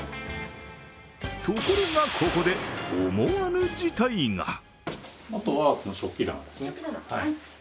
ところがここで、思わぬ事態が。